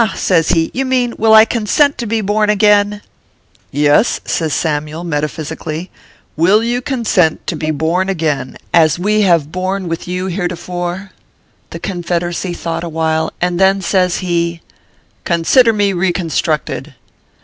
says he, " you mean, will I consent to be born again ?"" Yes," says Samyule, metaphysically ;" will you consent to be borne again, as we have borne with you heretofore ?" The Confederacy thought awhile, and then says he :" Consider me reconstructed."